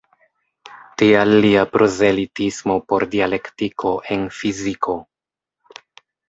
Tial lia prozelitismo por dialektiko en fiziko.